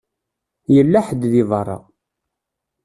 Yella ḥedd deg beṛṛa.